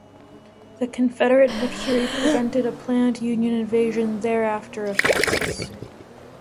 The Confederate victory prevented a planned Union invasion thereafter of Texas.